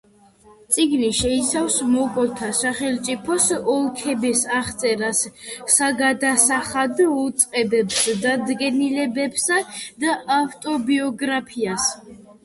წიგნი შეიცავს მოგოლთა სახელმწიფოს ოლქების აღწერას, საგადასახადო უწყებებს, დადგენილებებსა და ავტობიოგრაფიას.